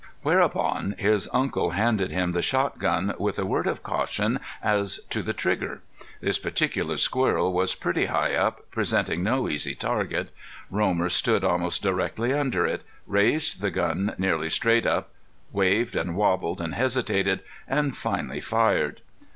Whereupon his uncle handed him the shotgun, with a word of caution as to the trigger. This particular squirrel was pretty high up, presenting no easy target. Romer stood almost directly under it, raised the gun nearly straight up, waved and wobbled and hesitated, and finally fired.